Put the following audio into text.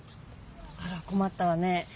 あらこまったわね。